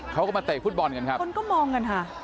เขาก็มาเตะฟุตบอลกันครับคนก็มองกันค่ะ